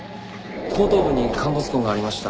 後頭部に陥没痕がありました。